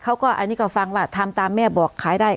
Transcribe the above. เขาก็อันนี้ก็ฟังว่าทำตามแม่บอกขายได้